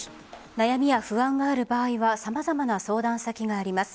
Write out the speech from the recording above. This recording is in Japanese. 悩みや不安がある場合は様々な相談先があります。